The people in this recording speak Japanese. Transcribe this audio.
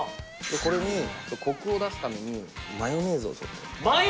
これにコクを出すためにマヨネーズをちょっとマヨ！